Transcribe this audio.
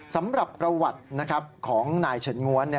สำหรับประวัติของนายเฉินง้วน